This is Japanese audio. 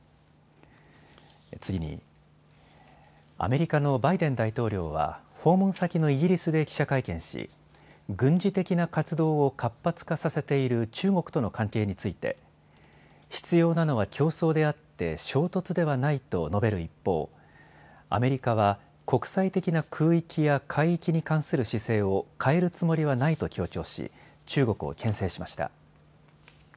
次にアメリカのバイデン大統領は訪問先のイギリスで記者会見し軍事的な活動を活発化させている中国との関係について必要なのは競争であって衝突ではないと述べる一方、アメリカは国際的な空域や海域に関する姿勢を変えるつもりはないと強調し、中国をけん制しました。